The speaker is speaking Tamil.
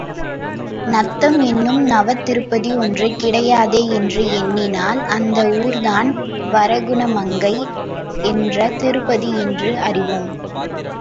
நத்தம் என்னும் நவதிருப்பதி ஒன்று கிடையாதே என்று எண்ணினால், அந்த ஊர்தான் வரகுணமங்கை என்ற திருப்பதி என்று அறிவோம்.